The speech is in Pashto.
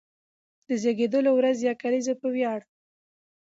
د زېږېدلو ورځې يا کليزې په وياړ،